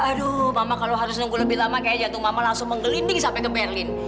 aduh mama kalau harus nunggu lebih lama kayaknya jantung mama langsung menggelinding sampai ke berlin